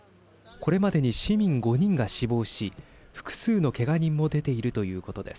これまでに市民５人が死亡し複数のけが人も出ているということです。